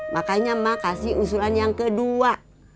makanya mah kasih usulan yang kedua